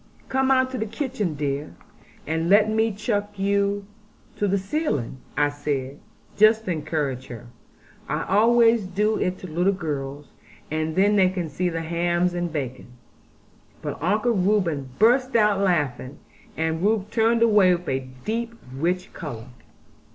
'Come out to the kitchen, dear, and let me chuck you to the ceiling,' I said, just to encourage her; 'I always do it to little girls; and then they can see the hams and bacon.' But Uncle Reuben burst out laughing; and Ruth turned away with a deep rich colour.